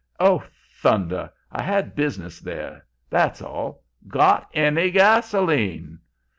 "'Oh, thunder! I had business there, that's all. GOT ANY GASOLINE?'